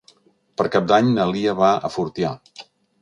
Per Cap d'Any na Lia va a Fortià.